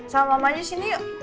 sama mama aja sini yuk